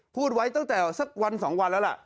พูดไว้ตั้งแต่สักวัน๒วันแล้วล่ะ